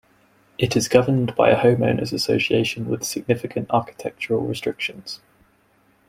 It is governed by a homeowners association with significant architectural restrictions.